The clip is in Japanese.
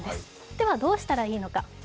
では、どうしたらいいのか。